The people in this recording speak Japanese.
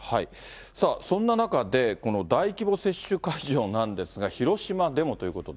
さあ、そんな中で、この大規模接種会場なんですが、広島でもということで。